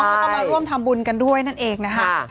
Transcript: แล้วก็มาร่วมทำบุญกันด้วยนั่นเองนะคะ